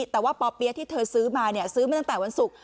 แต่ว่าป่อเปี๊ยะที่เธอซื้อมาซื้อมาตั้งแต่วันศุกร์